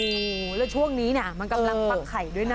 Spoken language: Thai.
โอ้โหแล้วช่วงนี้เนี่ยมันกำลังฟักไข่ด้วยนะ